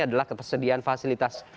adalah ketersediaan fasilitas